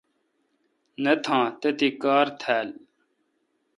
نہ تھان تتھی کار تھال۔